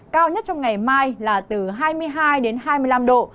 cao nhất trong ngày mai là từ hai mươi hai đến hai mươi năm độ